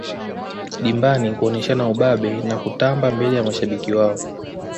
dimbani kuoneshana ubabe na kutamba mbele ya mashabiki wao